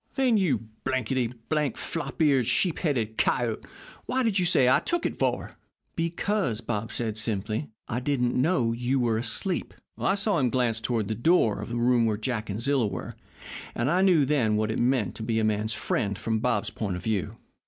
"'Then, you blankety blank, flop eared, sheep headed coyote, what did you say you took it, for?' "'Because,' said Bob, simply, 'I didn't know you were asleep.' "I saw him glance toward the door of the room where Jack and Zilla were, and I knew then what it meant to be a man's friend from Bob's point of view."